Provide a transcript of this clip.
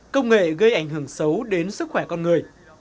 công nghệ gây ảnh hưởng xấu đến sức khỏe con người